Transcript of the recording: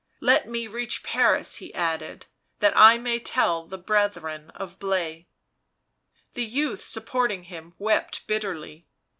" Let me reach Paris," he added, u that I may tell the Brethren of Blaise. ..." The youth supporting him wept bitterly.